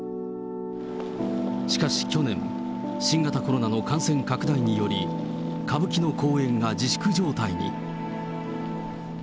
しかし去年、新型コロナの感染拡大により、歌舞伎の公演が自粛状態に。